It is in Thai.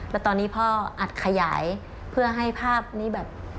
แล้วตอนนี้พ่ออัดขยายเพื่อให้ภาพนี้แบบ